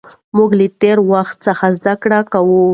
موږ له تېر وخت څخه زده کړه کوو.